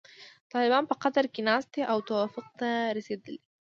طالبان په قطر کې ناست دي او توافق ته رسیدلي.